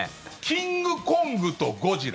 キングコングとゴジラ